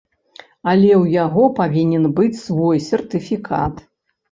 Але ў яго павінен быць свой сертыфікат.